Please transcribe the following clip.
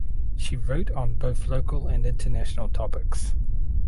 She wrote on both local and international topics.